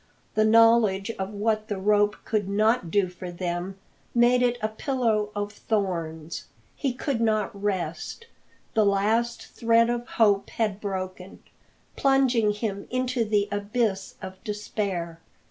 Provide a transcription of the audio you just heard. The knowledge of what the rope could not do for them made it a pillow of thorns. He could not rest. The last thread of hope had broken, plunging him into the abyss of despair.